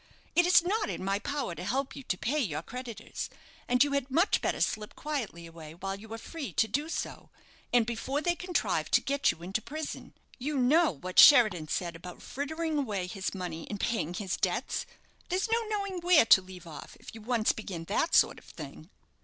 It is not in my power to help you to pay your creditors, and you had much better slip quietly away while you are free to do so, and before they contrive to get you into prison. You know what Sheridan said about frittering away his money in paying his debts. There's no knowing where to leave off if you once begin that sort of thing."